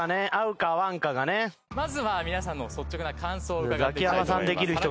まずは皆さんの率直な感想を伺っていきたいと思います。